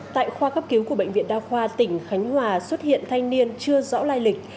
tại khoa cấp cứu của bệnh viện đa khoa tỉnh khánh hòa xuất hiện thanh niên chưa rõ lai lịch